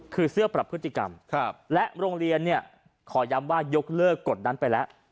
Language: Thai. คือเสื้อปรับพฤติกรรมและโรงเรียนเนี่ยขอย้ำว่ายกเลิกกฎนั้นไปแล้ว